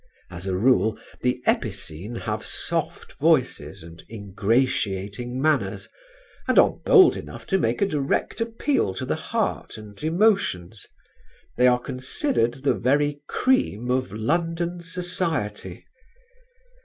As a rule the epicene have soft voices and ingratiating manners, and are bold enough to make a direct appeal to the heart and emotions; they are considered the very cream of London society.